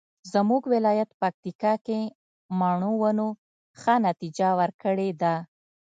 زمونږ ولایت پکتیکا کې مڼو ونو ښه نتیجه ورکړې ده